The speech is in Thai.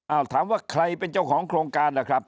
เอาถามว่าใครเป็นเจ้าของโครงการล่ะครับ